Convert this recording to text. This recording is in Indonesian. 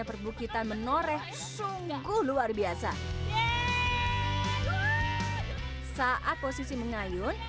pembelahan kandegoro ramai jadi lokasi foto sejak tahun dua ribu enam belas